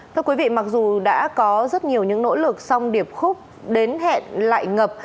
thưa quý vị mặc dù đã có rất nhiều những nỗ lực xong điệp khúc đến hẹn lại ngập